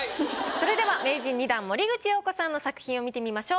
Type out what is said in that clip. それでは名人２段森口瑤子さんの作品を見てみましょう。